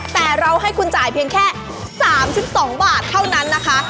แต่เราให้คุณจ่ายเพียงแค่๓๒บาทเท่านั้นนะคะ